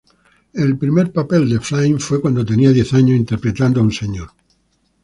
El primer papel de Flynn fue cuando tenía diez años, interpretando a Mr.